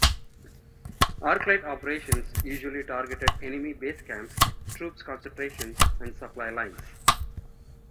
Arc Light operations usually targeted enemy base camps, troops concentrations, and supply lines.